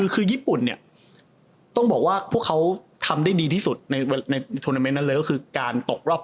คือญี่ปุ่นเนี่ยต้องบอกว่าพวกเขาทำได้ดีที่สุดในโทรนาเมนต์นั้นเลยก็คือการตกรอบ